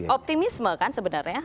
optimisme kan sebenarnya